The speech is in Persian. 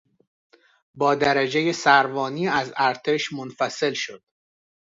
با درجهی سروانی از ارتش منفصل شد.